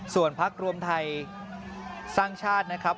ส่วนพักรวมไทยสร้างชาตินะครับ